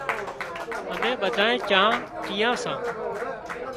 اَمين ٻڌانئين چانه پيئان سان۔